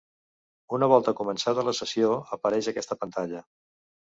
Una volta començada la sessió, apareix aquesta pantalla.